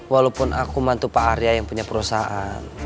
walaupun aku mantu pak arya yang punya perusahaan